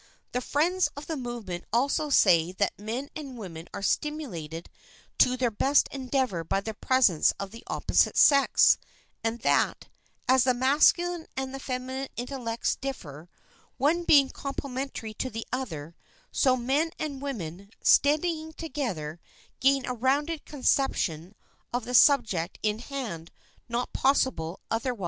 The friends of the movement also say that men and women are stimulated to their best endeavor by the presence of the opposite sex; and that, as the masculine and the feminine intellects differ, one being complementary to the other, so men and women, studying together, gain a rounded conception of the subject in hand not possible otherwise.